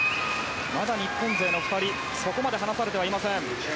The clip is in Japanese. まだ、日本勢の２人そこまで離されてはいません。